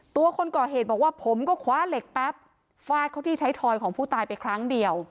คนก่อเหตุบอกว่าผมก็คว้าเหล็กแป๊บฟาดเขาที่ไทยทอยของผู้ตายไปครั้งเดียว